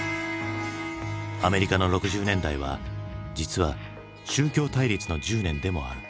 アメリカの６０年代は実は宗教対立の１０年でもある。